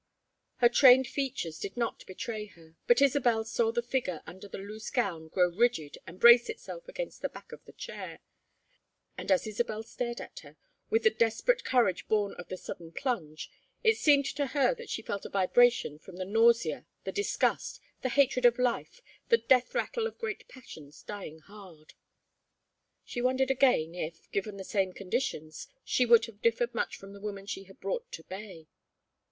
Her trained features did not betray her, but Isabel saw the figure under the loose gown grow rigid and brace itself against the back of the chair. And as Isabel stared at her, with the desperate courage born of the sudden plunge, it seemed to her that she felt a vibration from the nausea, the disgust, the hatred of life, the death rattle of great passions dying hard. She wondered again, if, given the same conditions, she would have differed much from the woman she had brought to bay.